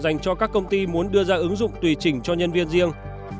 dành cho các công ty muốn đưa ra ứng dụng tùy chỉnh cho nhân viên riêng